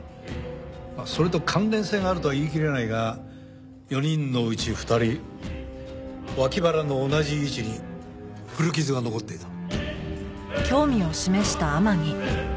それと関連性があるとは言いきれないが４人のうち２人脇腹の同じ位置に古傷が残っていた。